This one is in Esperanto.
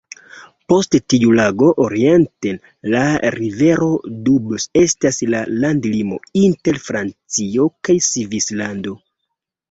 Post tiu lago orienten la rivero Doubs estas la landlimo inter Francio kaj Svislando.